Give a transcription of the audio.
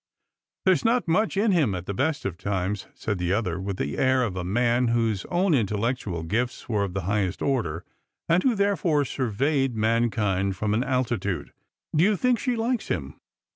" There's not much in him at the best of times," said the other, with the air of a man whose own intellectual gifts were of the highest order, and who therefore surveyed mankind from an altitude. " Do you think she likes him